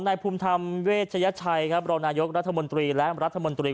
ภูมิธรรมเวชยชัยครับรองนายกรัฐมนตรีและรัฐมนตรี